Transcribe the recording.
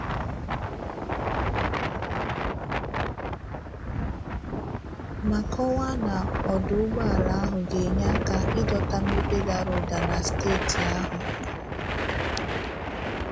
ma kọwaa na ọdụ ụgbọelu ahụ ga-enye aka ịdọta mmepe dara ụda na steeti ahụ